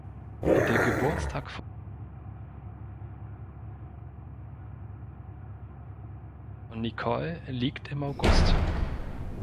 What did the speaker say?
Der Geburtstag von Nicole liegt im August.